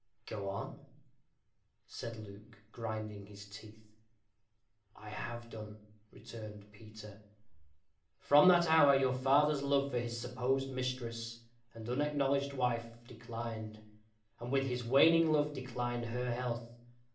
"Go on," said Luke, grinding his teeth. "I have done," returned Peter. "From that hour your father's love for his supposed mistress, and unacknowledged wife, declined; and with his waning love declined her health.